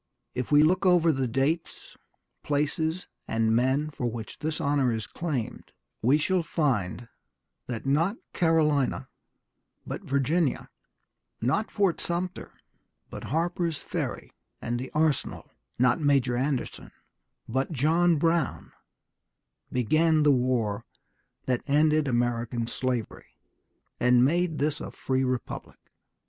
If we look over the dates, places, and men for which this honor is claimed, we shall find that not Carolina, but Virginia, not Fort Sumter, but Harper's Ferry and the arsenal, not Major Anderson, but John Brown began the war that ended American slavery, and made this a free republic....